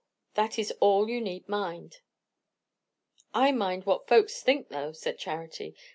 That is all you need mind." "I mind what folks think, though," said Charity.